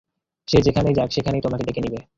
সে যেখানেই যাক সেখানেই তোমাকে ডেকে নিবে।